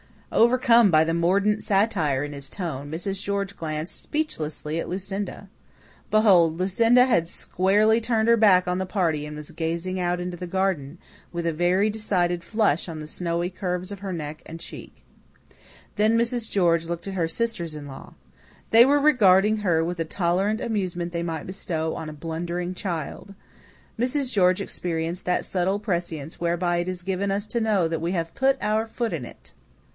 Overcome by the mordant satire in his tone, Mrs. George glanced speechlessly at Lucinda. Behold, Lucinda had squarely turned her back on the party and was gazing out into the garden, with a very decided flush on the snowy curves of her neck and cheek. Then Mrs. George looked at her sisters in law. They were regarding her with the tolerant amusement they might bestow on a blundering child. Mrs. George experienced that subtle prescience whereby it is given us to know that we have put our foot in it.